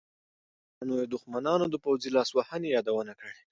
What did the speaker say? هغه د بهرنیو دښمنانو د پوځي لاسوهنې یادونه کړې.